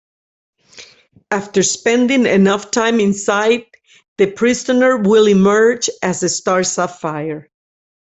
After spending enough time inside, the prisoner will emerge as a Star Sapphire.